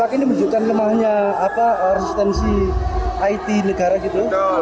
apakah ini menunjukkan lemahnya resistensi it negara kita